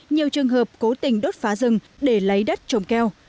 nhiều trường hợp cố tình đốt phá rừng để lấy đất trồng keo